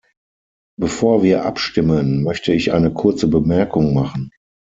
Bevor wir abstimmen, möchte ich eine kurze Bemerkung machen.